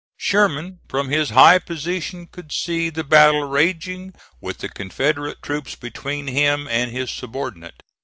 Sherman from his high position could see the battle raging, with the Confederate troops between him and his subordinate.